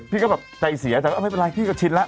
พี่ก็แบบใจเสียแต่ก็ไม่เป็นไรพี่ก็ชินแล้ว